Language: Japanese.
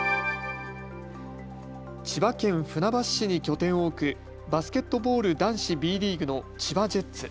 千葉県船橋市に拠点を置くバスケットボール男子Ｂリーグの千葉ジェッツ。